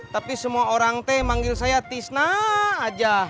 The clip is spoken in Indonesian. tapi semua orang teh manggil saya tisnah aja